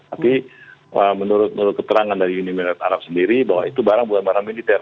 tapi menurut keterangan dari uni emirat arab sendiri bahwa itu barang bukan barang militer